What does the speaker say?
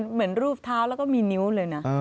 เหมือนรูปเท้าแล้วก็มีนิ้วเลยนะ